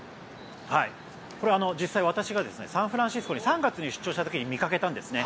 これ、実際私がサンフランシスコに３月に出張した時に見つけたんですね。